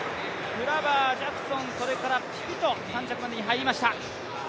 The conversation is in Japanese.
クラバー、ジャクソン、それからピピと３着までに入りました。